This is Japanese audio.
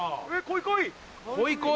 こいこい！